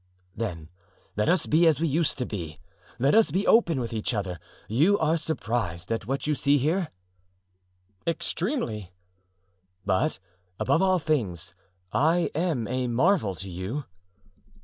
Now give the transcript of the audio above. "Then let us be as we used to be; let us be open with each other. You are surprised at what you see here?" "Extremely." "But above all things, I am a marvel to you?"